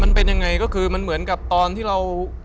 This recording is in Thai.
มันเป็นยังไงก็คือมันเหมือนกับตอนที่เรา